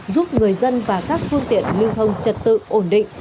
giúp người dân và các phương tiện lưu thông trật tự ổn định